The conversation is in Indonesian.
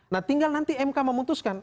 nah tinggal nanti mk memutuskan